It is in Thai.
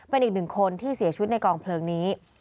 เป็นอีกหนึ่งคนที่เสียชีวิตในกองเพลิงนี้